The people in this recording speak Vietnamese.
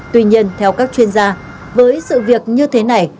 tuy nhiên theo các chuyên gia với sự việc như thế này